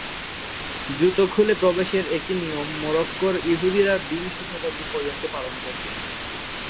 জুতো খুলে প্রবেশের একই নিয়ম মরক্কোর ইহুদিরা বিংশ শতাব্দী পর্যন্ত পালন করতো।